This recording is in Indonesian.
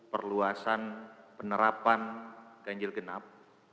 perluasan penerapan ganjil genap